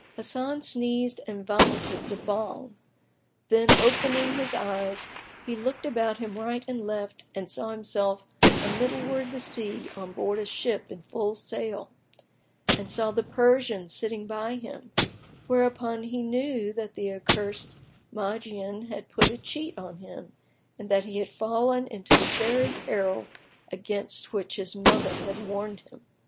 Hasan sneezed and vomited the Bhang; then, opening his eyes, he looked about him right and left and found himself amiddleward the sea on aboard a ship in full sail, and saw the Persian sitting by him; wherefore he knew that the accursed Magian had put a cheat on him and that he had fallen into the very peril against which his mother had warned him.